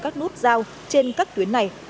các nút giao trên các tuyến này